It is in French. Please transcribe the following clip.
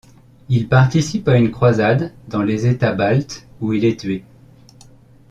Il participe à une croisade dans les États baltes où il est tué.